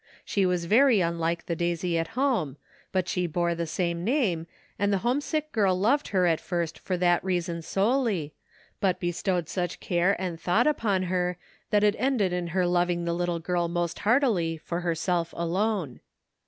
She was very unlike the Daisy at home, but she bore the same name, and the homesick girl loved her at first for that reason solely, • but bestowed such care and thought upon her that it ended in her loving the little girl most heartily, for herself alone.